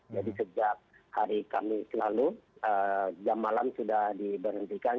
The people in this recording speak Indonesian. jadi sejak hari kami selalu jam malam sudah diberhentikan